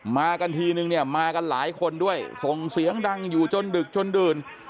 มากันทีนึงเนี่ยมากันหลายคนด้วยส่งเสียงดังอยู่จนดึกจนดื่น